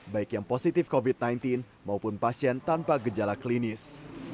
baik yang positif covid sembilan belas maupun pasien tanpa gejala klinis